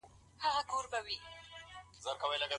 د کتاب او چاپېريال لوستنه يو ښه امتزاج دی.